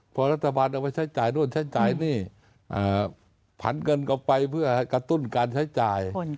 พอรัฐบาลเอาไปใช้จ่ายนู่นใช้จ่ายหนี้ผันเงินเข้าไปเพื่อกระตุ้นการใช้จ่าย